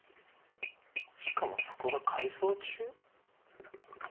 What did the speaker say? しかもそこが改装中？